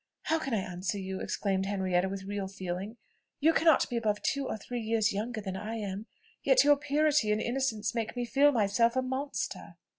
"How can I answer you?" exclaimed Henrietta with real feeling. "You cannot be above two or three years younger than I am, yet your purity and innocence make me feel myself a monster."